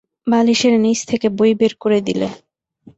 বালিশের নীচে থেকে বই বের করে দিলে।